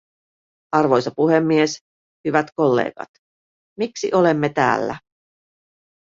Arvoisa puhemies, hyvät kollegat, miksi olemme täällä?